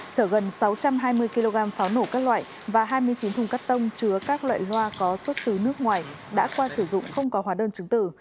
chở gần sáu trăm hai mươi kg pháo nổ các loại và hai mươi chín thùng cắt tông chứa các loại loa có xuất xứ nước ngoài đã qua sử dụng không có hóa đơn chứng tử